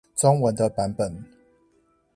中文的版本